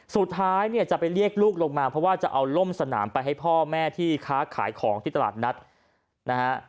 สุดท้ายเนี่ยจะไปเรียกลูกลงมาเพราะว่าจะเอาล่มสนามไปให้พ่อแม่ที่ค้าขายของที่ตลาดนัดนะฮะ